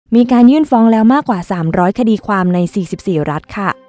มีการยื่นฟ้องแล้วมากกว่า๓๐๐คดีความใน๔๔รัฐค่ะ